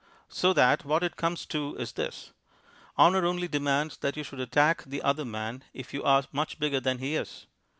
"So that what it comes to is this. Honour only demands that you should attack the other man if you are much bigger than he is.